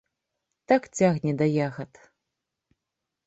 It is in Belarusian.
Так цягне да ягад.